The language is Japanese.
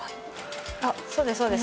あっそうですそうです。